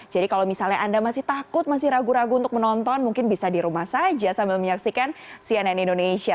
jadi kalau misalnya anda masih takut masih ragu ragu untuk menonton mungkin bisa di rumah saja sambil menyaksikan cnn indonesia